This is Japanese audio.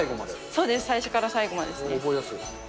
そうです、最初から最後まで覚えやすい。